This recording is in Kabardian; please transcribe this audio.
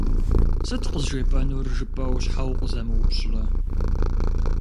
«Сыт къызжепӏэнур?» жыпӏэу, щхьэ укъызэмыупщӏрэ?